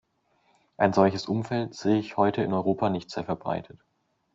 Ein solches Umfeld sehe ich heute in Europa nicht sehr verbreitet.